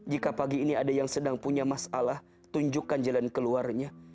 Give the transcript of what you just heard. jika pagi ini ada yang sedang punya masalah tunjukkan jalan keluarnya